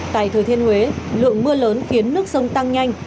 tại thừa thiên huế lượng mưa lớn khiến nước sông tăng nhanh